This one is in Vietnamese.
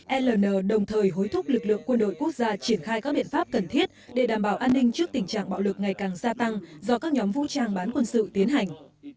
ln đồng thời hối thúc lực lượng quân đội quốc gia triển khai các biện pháp cần thiết để đảm bảo an ninh trước tình trạng bạo lực ngày càng gia tăng do các nhóm vũ trang bán quân sự tiến hành